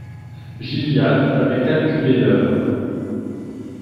Gilliatt avait calculé l’heure.